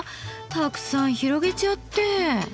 たくさん広げちゃって。